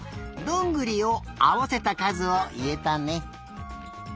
どんぐりをあわせたかずをいえたね。